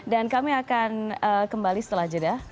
dan kami akan kembali setelah jeda